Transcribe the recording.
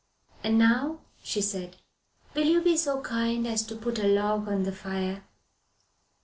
"And now," she said, "will you be so kind as to put a log on the fire."